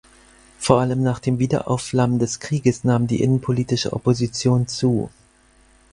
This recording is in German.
Vor allem nach dem Wiederaufflammen des Krieges nahm die innenpolitische Opposition zu.